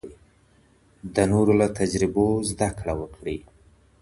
د نورو له تجربو زده کړه وکړئ.